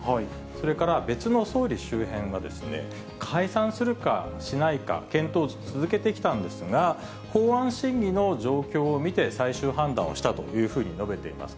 それから別の総理周辺は、解散するかしないか、検討を続けてきたんですが、法案審議の状況を見て、最終判断をしたというふうに述べています。